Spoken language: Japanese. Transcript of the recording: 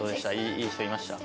いい人いました？